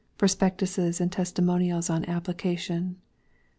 Prospectuses and testimonials on application.